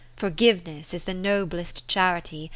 Forgiveness is the noblest charity.